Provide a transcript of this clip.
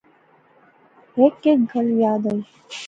ہیک ہیک گل یاد آئی